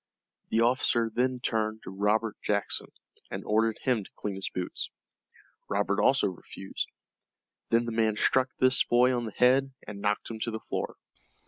The officer then turned to Robert Jackson, and ordered him to clean his boots. Robert also refused. Then the man struck this boy on the head, and knocked him to the floor.